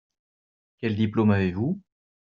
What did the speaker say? Quel diplôme avez-vous ?